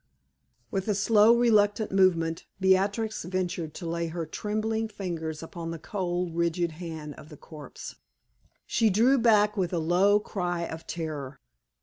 With a slow, reluctant movement Beatrix ventured to lay her trembling fingers upon the cold, rigid hand of the corpse. She drew back with a low cry of terror.